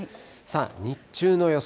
日中の予想